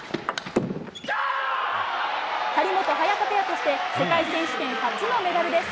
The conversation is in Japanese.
張本、早田ペアとして世界選手権初のメダルです。